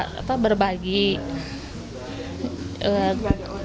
mungkin ada orderan mungkin